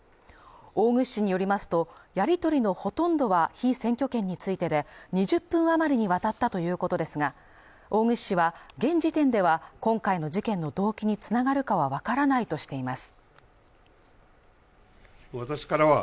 大串氏によりますと、やり取りのほとんどは、被選挙権についてで２０分余りに渡ったということですが、大串氏は現時点では今回の事件の動機に繋がるかはわからないとしています。